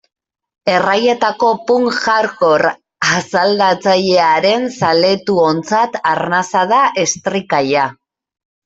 Erraietako punk-hardcore asaldatzailearen zaletuontzat arnasa da Estricalla.